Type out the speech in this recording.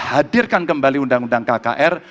hadirkan kembali undang undang kkr